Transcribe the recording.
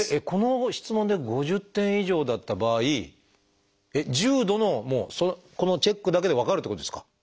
この質問で５０点以上だった場合重度のこのチェックだけで分かるってことですか？